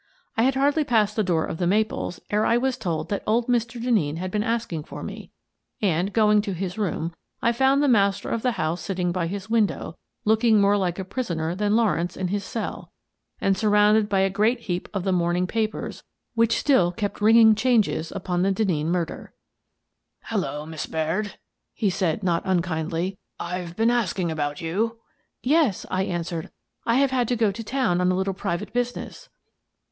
I had hardly passed the door of " The Maples " ere I was told that old Mr. Denneen had been ask ing for me, and, going to his room, I found the master of the house sitting by his window, looking more like a prisoner than Lawrence in his cell and surrounded by a great heap of the morning papers which still kept ringing changes upon the Den neen murder. " Hello, Miss Baird," he said, not unkindly. " I've been asking about you." " Yes," I answered, " I have had to go to town on a little private business."